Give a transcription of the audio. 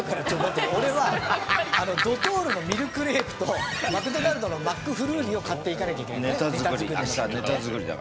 俺はドトールのミルクレープとマクドナルドのマックフルーリーを買っていかなきゃいけないんだね。